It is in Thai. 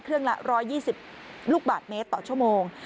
เครื่องละ๑๒๐ลูกบาทเมตรต่อชั่วโมง